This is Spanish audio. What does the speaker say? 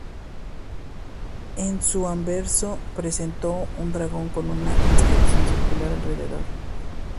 En su anverso presentó un dragón con una inscripción circular alrededor.